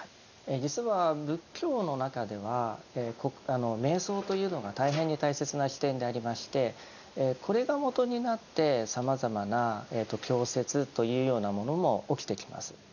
実は仏教の中では瞑想というのが大変に大切な起点でありましてこれが基になってさまざまな教説というようなものも起きてきます。